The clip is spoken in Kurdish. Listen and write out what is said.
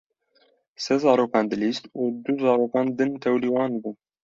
Sê zarokan dilîst û du zarokên din tevlî wan bûn.